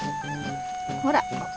ほら！